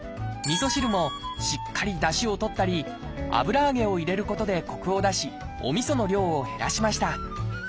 みそ汁もしっかりだしを取ったり油揚げを入れることでコクを出しおみその量を減らしました。